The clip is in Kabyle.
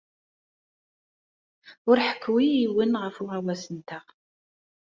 Ur ḥekku i yiwen ɣef uɣawas-nteɣ.